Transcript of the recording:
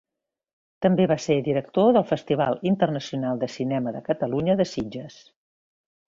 També va ser director del Festival Internacional de Cinema de Catalunya de Sitges.